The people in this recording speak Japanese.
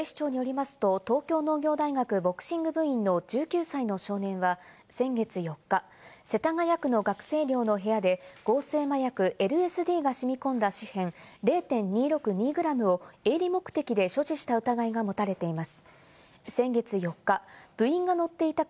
警視庁によりますと、東京農業大学ボクシング部員の１９歳の少年は先月４日、世田谷区の学生寮の部屋で合成麻薬ＬＳＤがしみ込んだ紙片、０．２６２グラムを営利目的で所持した疑いが持関東のお天気です。